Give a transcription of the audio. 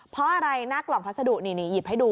เพราะอะไรหน้ากล่องพัสดุนี่หยิบให้ดู